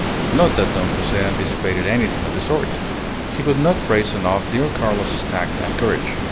Not that Don Jose anticipated anything of the sort. He could not praise enough dear Carlos's tact and courage.